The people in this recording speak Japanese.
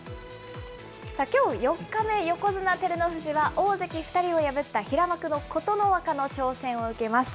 きょう４日目、横綱・照ノ富士は、大関２人を破った平幕の琴ノ若の挑戦を受けます。